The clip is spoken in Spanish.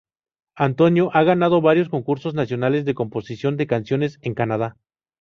Antonio ha ganado varios concursos nacionales de composición de canciones en Canadá.